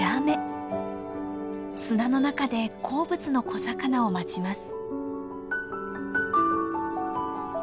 砂の中で好物の小魚を待ちます。